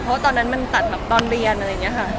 เพราะตอนนั้นมันตัดแบบตอนเรียนอะไรอย่างนี้ค่ะ